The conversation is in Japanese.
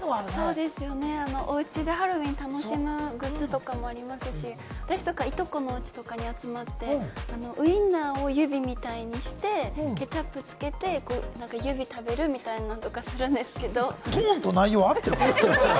おうちでハロウィーン楽しむ人、グッズとかもありますし、いとこのおうちとかに集まって、ウインナーを指みたいにして、ケチャップをつけて指食べるみたいなんとか、うちではするんですけれども。